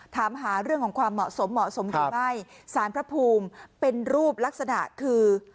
ถามหาเรื่องของความเหมาะสมเหมาะสมหรือไม่สารพระภูมิเป็นรูปลักษณะคือ